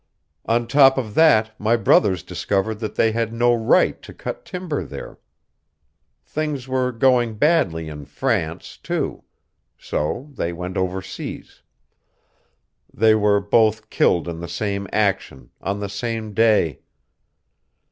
"On top of that my brothers discovered that they had no right to cut timber there. Things were going badly in France, too. So they went overseas. They were both killed in the same action, on the same day.